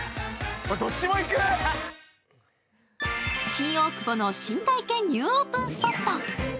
新大久保の新体験ニューオープンスポット。